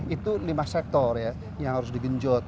itu lima sektor ya yang harus digenjot